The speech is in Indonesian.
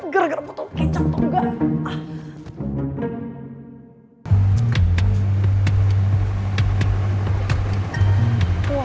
gergerepotan kecap tongga